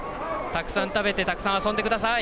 たくさん食べてたくさん遊んでください。